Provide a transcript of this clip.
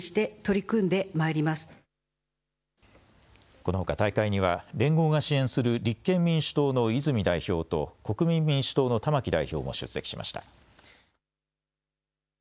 このほか大会には連合が支援する立憲民主党の泉代表と国民民主党の玉木代表も出席しました。